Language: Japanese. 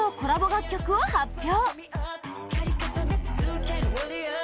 楽曲を発表